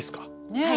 ねえ。